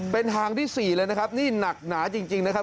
เป็นทางที่๔เลยนะครับนี่หนักหนาจริงนะครับ